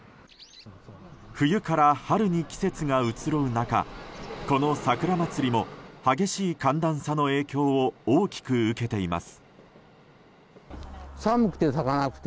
冬から春に季節が移ろう中この桜まつりも激しい寒暖差の影響を大きく受けています。